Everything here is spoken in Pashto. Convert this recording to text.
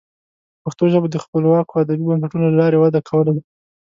پښتو ژبه د خپلواکو ادبي بنسټونو له لارې وده کولی شي.